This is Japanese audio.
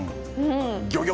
ギョギョ！